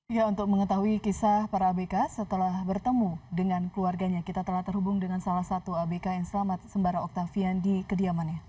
ya untuk mengetahui kisah para abk setelah bertemu dengan keluarganya kita telah terhubung dengan salah satu abk yang selamat sembara octavian di kediamannya